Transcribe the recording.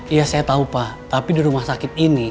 iya saya tahu pak tapi di rumah sakit ini